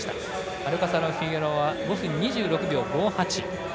アルカサルフィゲロアは５分２６秒５８。